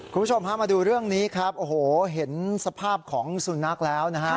คุณผู้ชมพามาดูเรื่องนี้ครับโอ้โหเห็นสภาพของสุนัขแล้วนะฮะ